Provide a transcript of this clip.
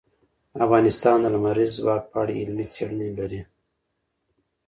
افغانستان د لمریز ځواک په اړه علمي څېړنې لري.